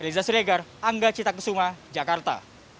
iza seregar angga cita kusuma jakarta